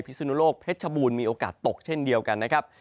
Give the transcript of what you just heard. สุนุโลกเพชรชบูรณ์มีโอกาสตกเช่นเดียวกันนะครับ